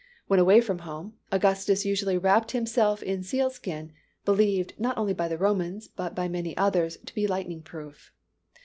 When away from home, Augustus usually wrapped himself in sealskin, believed, not only by the Romans, but by many others, to be lightning proof.